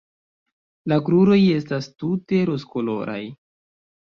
La kruroj estas tute rozkoloraj.